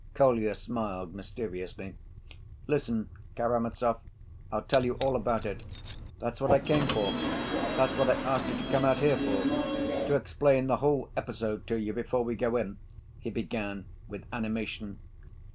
Kolya smiled mysteriously. "Listen, Karamazov, I'll tell you all about it. That's what I came for; that's what I asked you to come out here for, to explain the whole episode to you before we go in," he began with animation.